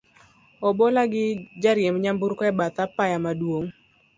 obola gi jariemb nyamburko, e bath apaya maduong